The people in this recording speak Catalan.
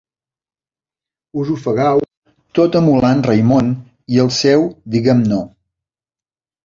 Us ofegueu tot emulant Raimon i el seu Diguem No.